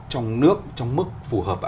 trong nước trong mức phù hợp